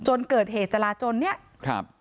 จนเกิดเหตุจราจนเนี่ยครับ